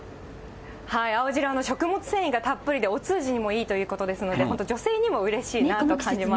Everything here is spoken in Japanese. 青汁は食物繊維がたっぷりでお通じにもいいということですので、本当、女性にもうれしいなと感じます。